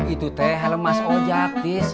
itu teh helm mas ojak